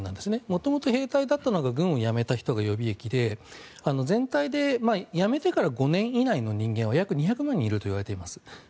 元々、兵隊だったのが軍を辞めた人が予備役で全体で辞めてから５年以内の人間は約２００万人いるといわれています。